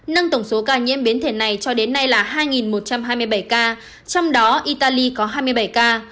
nâng tổng số ca nhiễm biến thể này cho đến nay là hai một trăm hai mươi bảy ca trong đó italy có hai mươi bảy ca